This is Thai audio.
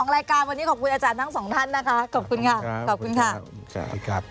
เท่านี้นี่เยอะนะ